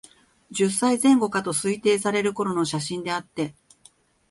十歳前後かと推定される頃の写真であって、